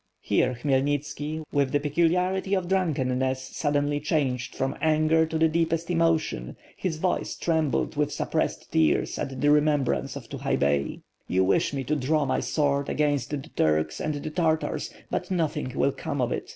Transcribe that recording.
Here, Khmyelnitski, with the peculiarity of drunkenness, suddenly changed from anger to the deepest emotion, his voice trembled with suppressed tears at the remembrance of Tukhay Bey. "You wish me to draw my sword against the Turks and the Tartars, but nothing will come of it.